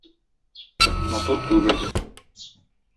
Матур түгел.